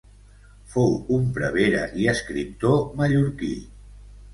Fou un prevere i escriptor mallorquí.